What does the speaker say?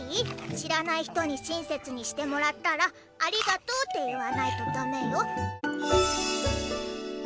しらない人にしんせつにしてもらったら「ありがとう」って言わないとだめよ。